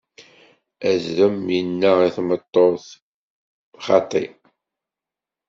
Azrem inna i tmeṭṭut: Xaṭi!